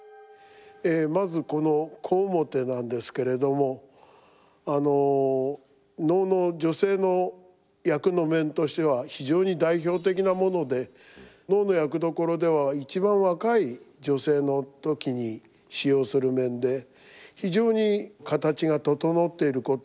まずこの小面なんですけれども能の女性の役の面としては非常に代表的なもので能の役どころでは一番若い女性の時に使用する面で非常に形が整っていること。